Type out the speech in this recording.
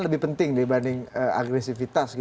lebih penting dibanding agresifitas